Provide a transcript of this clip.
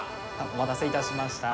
お待たせいたしました。